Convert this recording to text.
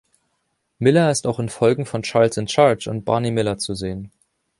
Miller ist auch in Folgen von „Charles in Charge“ und „Barney Miller“ zu sehen.